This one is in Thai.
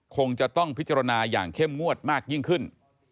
คงจะต้องพิจารณาอย่างเข้มงวดมากยิ่งขึ้น